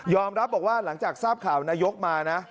รับบอกว่าหลังจากทราบข่าวนายกมานะ